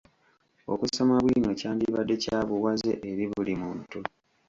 Okusoma bwino kyandibadde kya buwaze eri buli muntu.